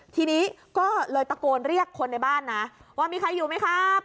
ทีนี้ก็เลยตะโกนเรียกคนในบ้านนะว่ามีใครอยู่ไหมครับ